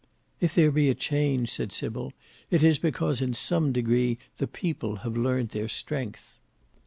"If there be a change," said Sybil, "it is because in some degree the People have learnt their strength."